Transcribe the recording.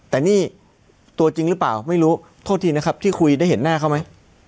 แต่นี่ตัวจริงหรือเปล่าไม่รู้โทษทีนะครับที่คุยได้เห็นหน้าเขาไหม